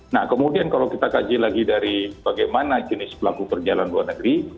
nah kemudian kalau kita kaji lagi dari bagaimana jenis pelaku perjalanan luar negeri